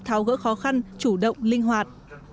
tháo gỡ khó khăn chủ động linh hoạt